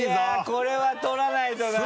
これは取らないとな。